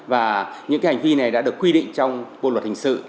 và những hành vi này đã được quy định trong bộ luật hình sự